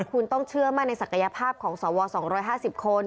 คุณต้องเชื่อมั่นในศักยภาพของสว๒๕๐คน